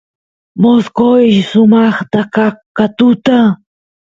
mosqoysh sumaqta ka katuta